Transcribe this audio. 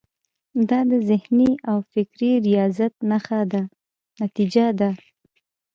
دا د ذهني او فکري ریاضت نتیجه ده.